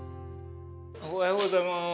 おはようございます。